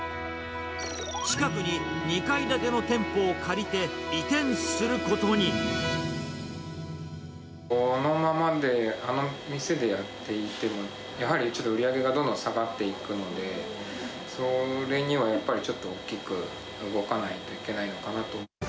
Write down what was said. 近くに２階建ての店舗を借りて移このままで、あの店でやっていても、やはりちょっと売り上げがどんどん下がっていくので、それにはやっぱりちょっと大きく動かないといけないのかなと。